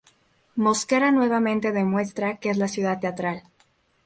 Mosquera nuevamente demuestra que es la Ciudad Teatral.